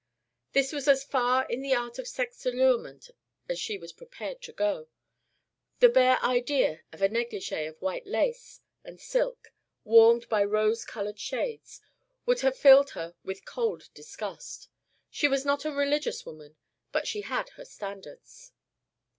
This was as far in the art of sex allurement as she was prepared to go; the bare idea of a negligée of white lace and silk, warmed by rose colored shades, would have filled her with cold disgust. She was not a religious woman, but she had her standards.